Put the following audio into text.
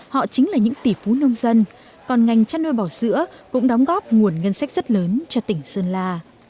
họ chính là những tỷ phú nông dân còn ngành chăn nuôi bò sữa cũng đóng góp nguồn ngân sách rất lớn cho tỉnh sơn la